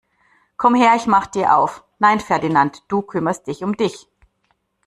Komm her, ich mach dir auf! Nein Ferdinand, du kümmerst dich um dich!